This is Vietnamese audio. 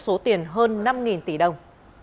số tiền hơn năm tỷ đồng